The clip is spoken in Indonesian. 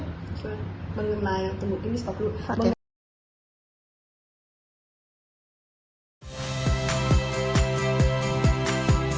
bagaimana yang temukan ini